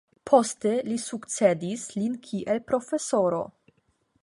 Poste li sukcedis lin kiel profesoro.